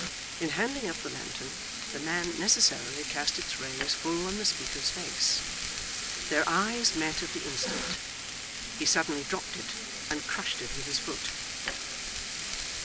In handing up the lantern, the man necessarily cast its rays full on the speaker's face. Their eyes met at the instant. He suddenly dropped it and crushed it with his foot.